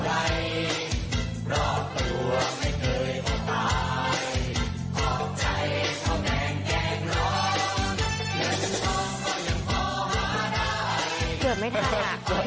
เกิดไม่ทันอ่ะ